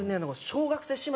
小学生と？